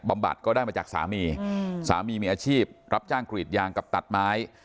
บัดก็ได้มาจากสามีสามีมีอาชีพรับจ้างกรีดยางกับตัดไม้